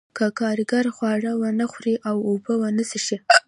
که کارګر خواړه ونه خوري او اوبه ونه څښي